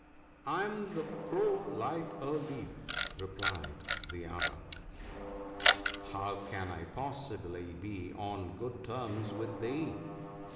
1 1 am the Crow Light o' Leap/ replied the other. ' How can I possibly be on good terms with thee